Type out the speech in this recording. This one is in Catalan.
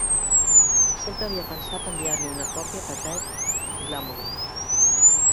Sempre havia pensat enviar-li una còpia de Dead Glamorous.